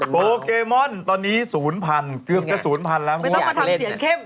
โปเกมอนตอนนี้ศูนย์พันเกือบจะ๐๐แล้วไม่ต้องมาทำเสียงเข้ม